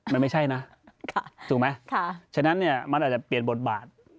มันไม่ใช่นะถูกไหมฉะนั้นเนี่ยมันอาจจะเปลี่ยนบทบาท